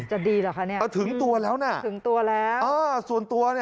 จะดีหรือคะนี่ถึงตัวแล้วนะส่วนตัวนี่